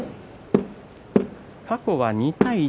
過去は２対１。